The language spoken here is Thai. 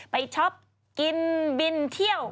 ช็อปกินบินเที่ยว